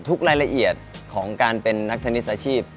รายละเอียดของการเป็นนักเทนนิสอาชีพ